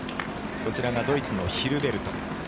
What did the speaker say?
こちらがドイツのヒルベルト